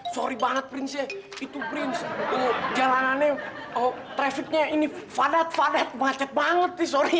sorry banget itu jalanannya trafficnya ini padat padat banget